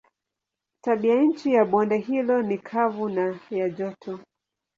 Tabianchi ya bonde hilo ni kavu na ya joto.